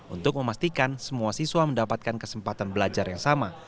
untuk memastikan semua siswa mendapatkan kesempatan belajar yang sama